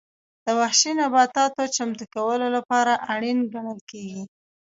د وحشي نباتاتو چمتو کولو لپاره اړین ګڼل کېږي.